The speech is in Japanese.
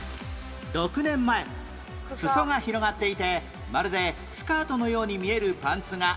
６年前裾が広がっていてまるでスカートのように見えるパンツがトレンドアイテムに